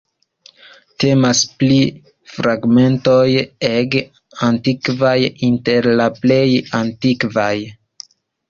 Temas pri fragmentoj ege antikvaj, inter la plej antikvaj.